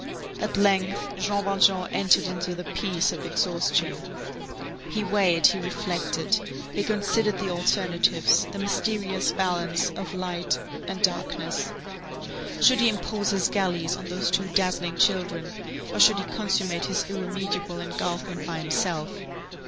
At length, Jean Valjean entered into the peace of exhaustion. He weighed, he reflected, he considered the alternatives, the mysterious balance of light and darkness. Should he impose his galleys on those two dazzling children, or should he consummate his irremediable engulfment by himself?